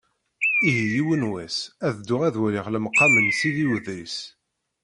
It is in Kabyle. Ihi yiwen wass, ad dduɣ ad waliɣ lemqam n Sidi Udris.